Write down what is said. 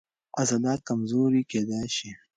عضلات کمزوري کېدای شي.